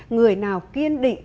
người nào kiên định